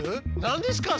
何ですか？